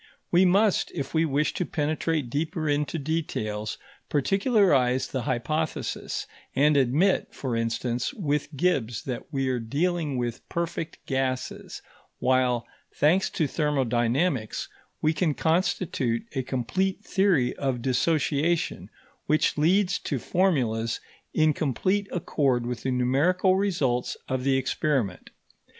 We must, if we wish to penetrate deeper into details, particularize the hypothesis, and admit, for instance, with Gibbs that we are dealing with perfect gases; while, thanks to thermodynamics, we can constitute a complete theory of dissociation which leads to formulas in complete accord with the numerical results of the experiment.